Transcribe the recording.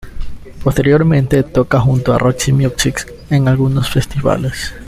Posteriormente, toca junto a Roxy Music en algunos festivales.